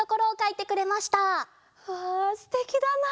うわすてきだな！